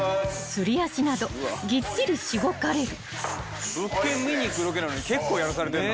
［すり足などぎっちりしごかれる］